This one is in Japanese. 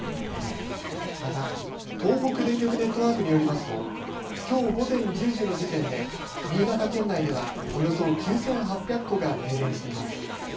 また東北電力ネットワークによりますと今日午前１０時の時点で新潟県内ではおよそ９８００戸が停電しています。